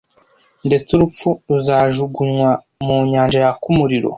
Ndetse urupfu ruzajugunywa mu nyanja yaka umuriro